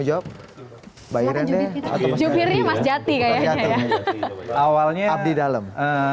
jawab by rendah atau masjid awalnya di dalam